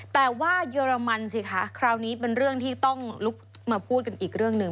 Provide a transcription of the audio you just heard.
แต่ว่าเยอรมันสิคะคราวนี้เป็นเรื่องที่ต้องลุกมาพูดกันอีกเรื่องหนึ่ง